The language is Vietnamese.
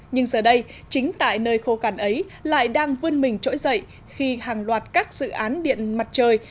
nhưng giờ đây chính tại nơi khô cạn ấy lại đang vươn mình trỗi dậy khi hàng loạt các dự án điện mặt trời